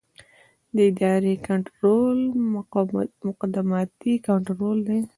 د ادارې کنټرول مقدماتي کنټرول دی.